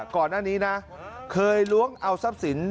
ก่อนหน้านี้นะเคยล้วงเอาทรัพย์สิน